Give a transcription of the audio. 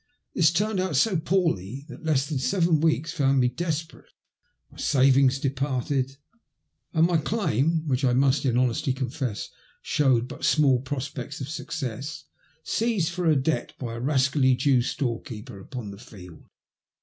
This turned out so poorly that less than seven weeks found me desperate, my savings departed, and my claim, — which I must in honesty confess showed but small prospects of success — seized for a debt by a rascally Jew storekeeper upon the Field.